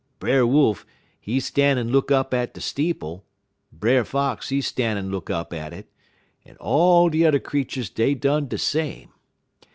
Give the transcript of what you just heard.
Brer Wolf, he stan' en look up at de steeple, Brer Fox, he stan' en look up at it, en all de t'er creeturs dey done de same.